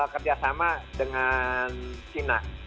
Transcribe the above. kerjasama dengan china